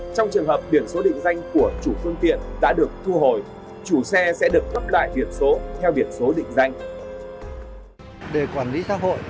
trong trường hợp biển số định danh của chủ phương tiện đã được thu hồi chủ xe sẽ được cấp lại biển số theo biển số định danh